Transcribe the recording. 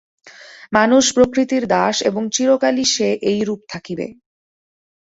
মানুষ প্রকৃতির দাস এবং চিরকালই সে এইরূপ থাকিবে।